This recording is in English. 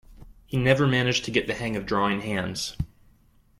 He never managed to get the hang of drawing hands.